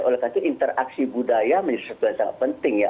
oleh karena itu interaksi budaya menjadi sesuatu yang sangat penting ya